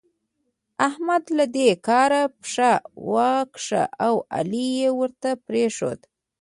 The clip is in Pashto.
احمد له دې کاره پښه وکښه او علي يې ورته پرېښود.